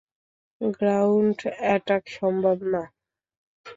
Ground attack সম্ভব না।